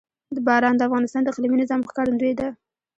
باران د افغانستان د اقلیمي نظام ښکارندوی ده.